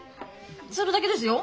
それだけですよ。